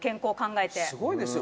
「すごいですよ。